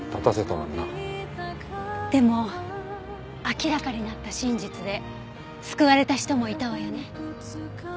でも明らかになった真実で救われた人もいたわよね？